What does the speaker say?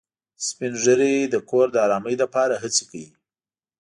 سپین ږیری د کور د ارامۍ لپاره هڅې کوي